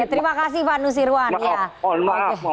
terima kasih pak nusirwan